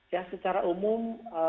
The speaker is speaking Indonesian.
ya secara umum